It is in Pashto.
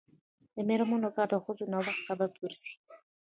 د میرمنو کار د ښځو نوښت سبب ګرځي.